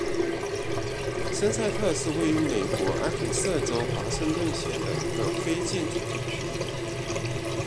森塞特是位于美国阿肯色州华盛顿县的一个非建制地区。